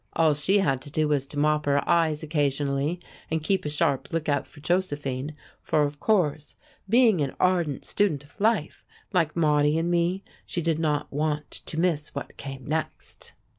All she had to do was to mop her eyes occasionally and keep a sharp lookout for Josephine; for of course, being an ardent student of life, like Maudie and me, she did not want to miss what came next.